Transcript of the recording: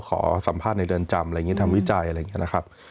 ขอสัมภาษณ์ในเดือนจำทำวิจัยอะไรอย่างนี้นะครับ